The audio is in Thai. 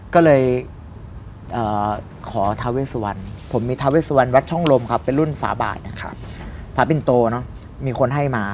ก็เลยขอทาเวสวรรค์ผมมีทาเวสวรรค์รัชช่องรมครับเป็นรุ่นฝาบาทนะครับฝาเป็นโตเนอะมีคนให้มา